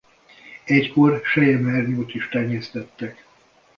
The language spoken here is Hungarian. Egykor selyemhernyót is tenyésztettek.